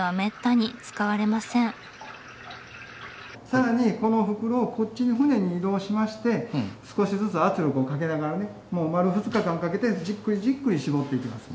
更にこの袋をこっちの槽に移動しまして少しずつ圧力をかけながらね丸２日間かけてじっくりじっくりしぼっていきます。